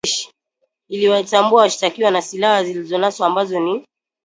iliwatambua washtakiwa na silaha zilizonaswa ambazo ni